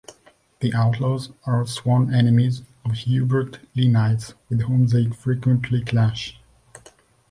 The Outlaws are sworn enemies of the Hubert Lane-ites, with whom they frequently clash.